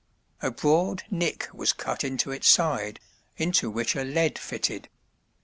A broad "nick" was cut into its side, into which a "lead" fitted.